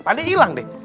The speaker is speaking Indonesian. pak deh ilang deh